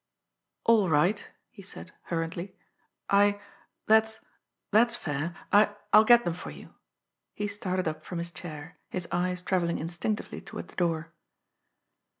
"All right," he said hurriedly. "I that's that's fair. I I'll get them for you." He started up from his chair, his eyes travelling instinctively toward the door.